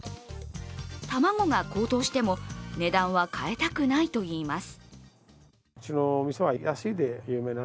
卵が高騰しても値段は変えたくないといいます。